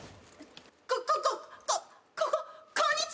ここここっこここんにちは！